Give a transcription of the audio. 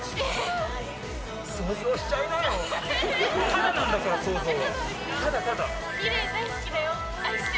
タダなんだから、想像は。